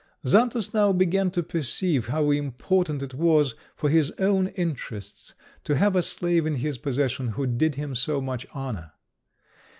Xantus now began to perceive how important it was for his own interests to have a slave in his possession who did him so much honour.